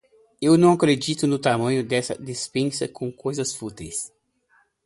Eu não acredito no tamanho desta despesa com coisas fúteis!